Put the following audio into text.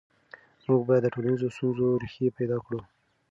موږ باید د ټولنیزو ستونزو ریښې پیدا کړو.